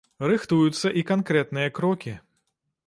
Рыхтуюцца і канкрэтныя крокі.